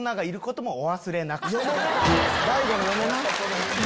大悟の嫁な。